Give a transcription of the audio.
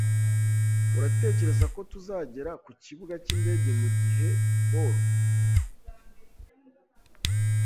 Uratekereza ko tuzagera ku kibuga cyindege mugihe, Paul?